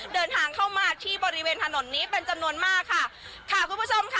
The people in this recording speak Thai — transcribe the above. เดินทางเข้ามาที่บริเวณถนนนี้เป็นจำนวนมากค่ะค่ะคุณผู้ชมค่ะ